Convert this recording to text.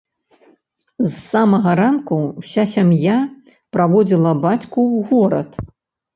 З самага ранку ўся сям'я праводзіла бацьку ў горад.